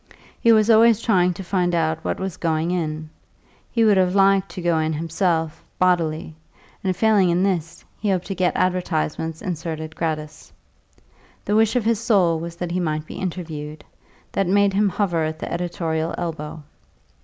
He was always trying to find out what was "going in"; he would have liked to go in himself, bodily, and, failing in this, he hoped to get advertisements inserted gratis. The wish of his soul was that he might be interviewed; that made him hover at the editorial elbow.